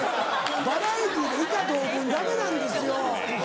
バラエティーで以下同文ダメなんですよ。